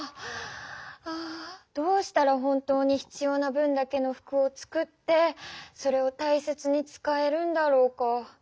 ああどうしたら本当にひつような分だけの服を作ってそれを大切に使えるんだろうか？